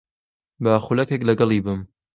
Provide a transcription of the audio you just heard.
با خولەکێک لەگەڵی بم.